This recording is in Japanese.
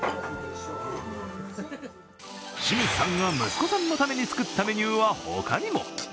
清水さんが息子さんのために作ったメニューは、ほかにも。